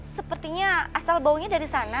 sepertinya asal baunya dari sana